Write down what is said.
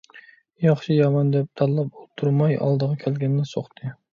ياخشى - يامان دەپ تاللاپ ئولتۇرماي ئالدىغا كەلگەننى سوقتى.